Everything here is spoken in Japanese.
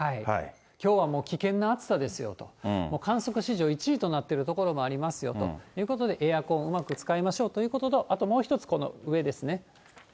きょうはもう危険な暑さですよと、もう観測史上１位となっている所もありますよということで、エアコンをうまく使いましょうということと、あともう１つ、この上ですね。